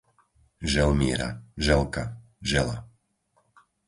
Želmíra, Želka, Žela